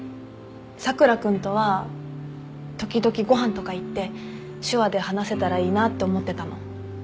佐倉君とは時々ご飯とか行って手話で話せたらいいなって思ってたの。